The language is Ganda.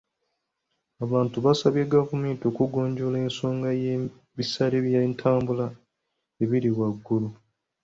Abantu baasabye gavumenti okugonjoola ensonga y'ebisale by'entambula ebiri waggulu.